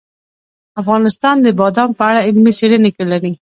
افغانستان د بادام په اړه علمي څېړنې لري.